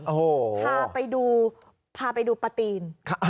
พาไปดูพาไปดูประตีน